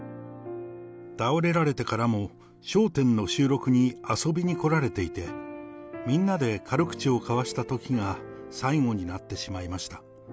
倒れられてからも笑点の収録に遊びに来られていて、みんなで軽口を交わしたときが最後になってしまいました。